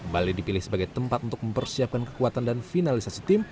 bali dipilih sebagai tempat untuk mempersiapkan kekuatan dan finalisasi tim